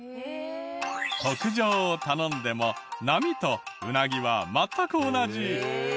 特上を頼んでも並とウナギは全く同じ。